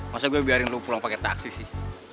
maksudnya gue biarin lo pulang pake taksi sih